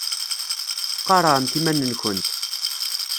Qarɛemt iman-nkent.